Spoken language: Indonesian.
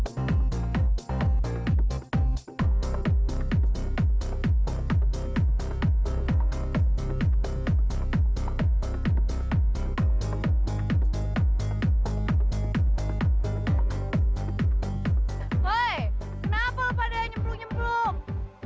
hai kenapa lu pada nyemplung nyemplung